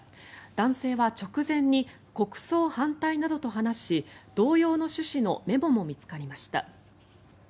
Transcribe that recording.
男性は直前に国葬反対などと話し同様の趣旨のメモも見つかりました。